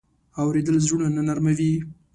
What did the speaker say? اورېدل زړونه نرمه وي.